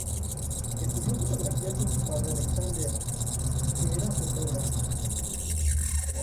Estudió fotografía con su padre Alexander L. que era fotógrafo.